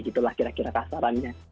gitulah kira kira kasarannya